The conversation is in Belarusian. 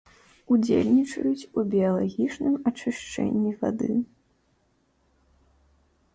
Удзельнічаюць у біялагічным ачышчэнні вады.